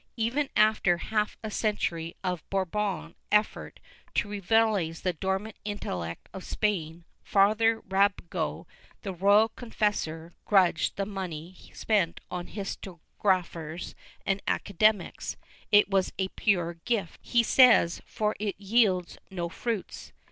^ Even after half a century of Bourbon effort to revitalize the dormant intellect of Spain, Father Rabago, the royal confessor, grudged the money spent on historiographers and academies; it was a pure gift, he says, for it yields no fruits.